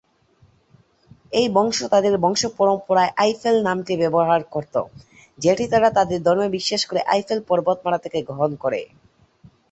এই বংশ তাদের বংশপরম্পরায় আইফেল নামটি ব্যবহার করত, যেটি তারা তাদের ধর্মে বিশ্বাস করে আইফেল পর্বতমালা থেকে গ্রহণ করে।